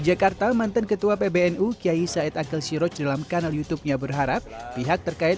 jakarta mantan ketua pbnu kiai said akhil siroj dalam kanal youtubenya berharap pihak terkait